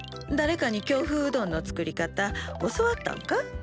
だれかに京風うどんの作り方教わったんか？